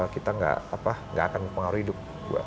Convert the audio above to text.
kita gak apa gak akan pengaruh hidup gue